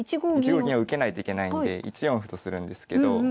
１五銀を受けないといけないんで１四歩とするんですけど。